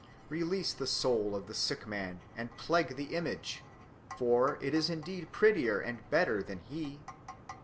Release the soul of the sick man and plague the image, for it is indeed prettier and better than he."